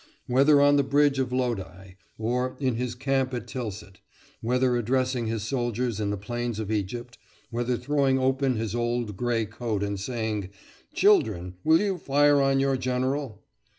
Whether on the bridge of Lodi, or in his camp at Tilsit; whether addressing his soldiers in the plains of Egypt; whether throwing open his old gray coat and saying, "Children, will you fire on your general?"